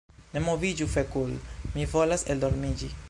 "Ne moviĝu fekul' mi volas endormiĝi